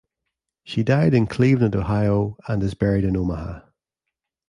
She died in Cleveland, Ohio, and is buried in Omaha.